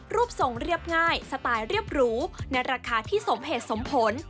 รูปทรงเรียบง่ายสไตล์เรียบหรูในราคาที่สมเหตุสมผล